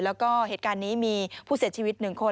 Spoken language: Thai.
แล้วก็เหตุการณ์นี้มีผู้เสียชีวิต๑คน